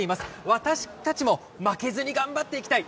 私たちも負けずに頑張っていきたい